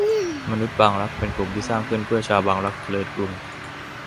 มนุษย์บางรัก เป็นกลุ่มที่สร้างขึ้นเพื่อชาวบางรัก เจริญกรุง